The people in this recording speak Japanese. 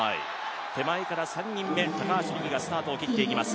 手前から３人目、高橋美紀がスタートを切っていきます。